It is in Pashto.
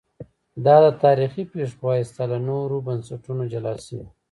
دا د تاریخي پېښو په واسطه له نورو بنسټونو جلا سوي